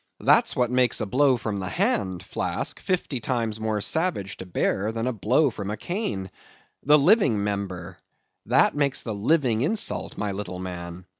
That's what makes a blow from the hand, Flask, fifty times more savage to bear than a blow from a cane. The living member—that makes the living insult, my little man.